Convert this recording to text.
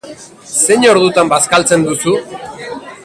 Zein ordutan bazkaltzen duzu?